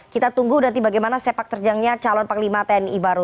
kita tunggu nanti bagaimana sepak terjangnya calon panglima tni baru